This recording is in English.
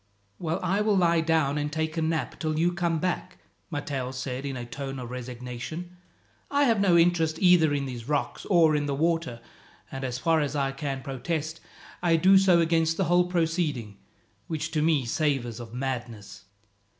"Well, I will lie down and take a nap till you come back," Matteo said in a tone of resignation. "I have no interest either in these rocks or in the water; and as far as I can protest, I do so against the whole proceeding, which to me savours of madness."